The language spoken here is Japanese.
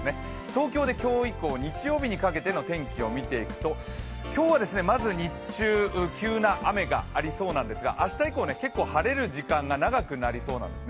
東京で今日以降、日曜日にかけての天気を見ていくと今日はまず日中、急な雨がありそうなんですが、明日以降、結構晴れる時間が長くなりそうなんです。